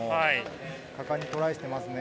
果敢にトライしていますね。